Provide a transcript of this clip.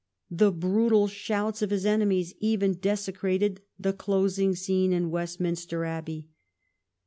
The brutal shouts of his enemies even desecrated the closing scene in Westminster Abbey.